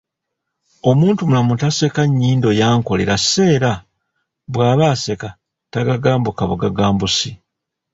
Omuntumulamu taseka “nnyindo yankolera” so era bw’aba aseka tagagambukabugagambusi.